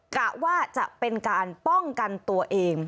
กะว่าจะเป็นการป้องกันตัวเอง